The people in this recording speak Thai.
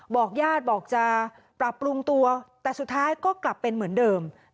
บอกญาติบอกจะปรับปรุงตัวแต่สุดท้ายก็กลับเป็นเหมือนเดิม